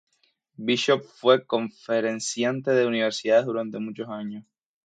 Bishop fue conferenciante de universidades durante muchos años.